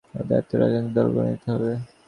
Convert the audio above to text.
এ দায়িত্বটা রাজনৈতিক দলগুলোকে নিতে হবে।